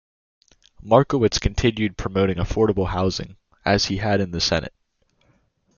Markowitz continued promoting affordable housing, as he had in the Senate.